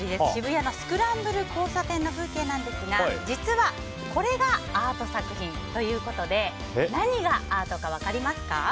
渋谷のスクランブル交差点の風景なんですが実は、これがアート作品ということで何がアートか分かりますか？